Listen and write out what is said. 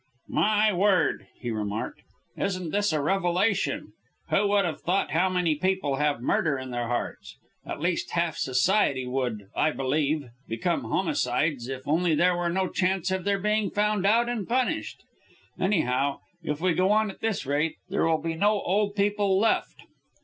"My word!" he remarked. "Isn't this a revelation? Who would have thought how many people have murder in their hearts? At least half Society would, I believe, become homicides if only there were no chance of their being found out and punished. Anyhow, if we go on at this rate there will be no old people left."